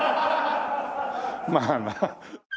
まあな。